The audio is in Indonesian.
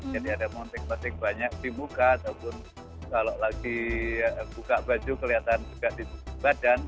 jadi ada montik montik banyak di muka ataupun kalau lagi buka baju kelihatan juga di badan